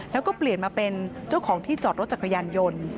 แล้วก็เปลี่ยนมาเป็นเจ้าของที่จอดรถจักรยานยนต์